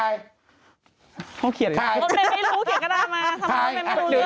ไม่รู้เขียนกระดาษมาทำไมไม่รู้เรื่อง